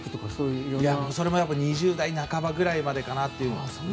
それも２０代半ばくらいまでかなと。